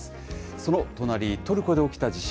その隣、トルコで起きた地震。